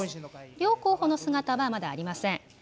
両候補の姿はまだありません。